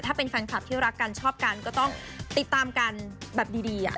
ถ้าเป็นแฟนคลับที่รักกันชอบกันก็ต้องติดตามกันแบบดี